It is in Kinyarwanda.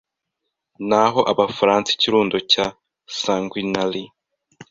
Naho Abafaransa ikirundo cya sanguinary